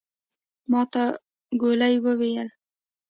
ماته ګولي وويلې.